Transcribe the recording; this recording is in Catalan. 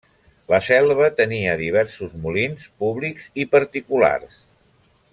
La Selva tenia diversos molins, públics i particulars.